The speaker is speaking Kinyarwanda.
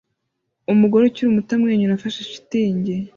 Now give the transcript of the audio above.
Umugore ukiri muto amwenyura afashe shitingi